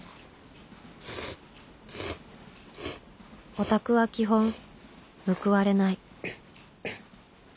オタクは基本報われない